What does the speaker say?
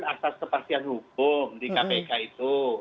atas kepastian hukum di kpk itu